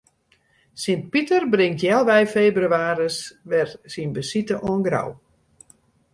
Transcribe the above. Sint Piter bringt healwei febrewaarje wer syn besite oan Grou.